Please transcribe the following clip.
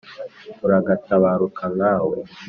Uragatabaruka nka we.